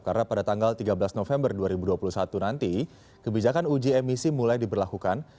karena pada tanggal tiga belas november dua ribu dua puluh satu nanti kebijakan uji emisi mulai diberlakukan